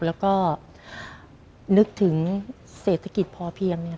แล้วก็นึกถึงเศรษฐกิจพอเพียงเนี่ย